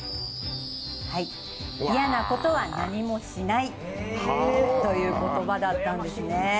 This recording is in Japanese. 嫌なことは何もしないという言葉だったんですね。